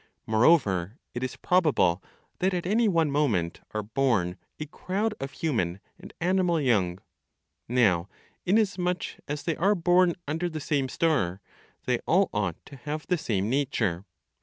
Moreover, it is probable that at any one moment are born a crowd of human and animal young; now, inasmuch as they are born under the same star, they all ought to have the same nature.